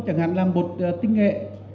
chẳng hạn làm bột tinh nghệ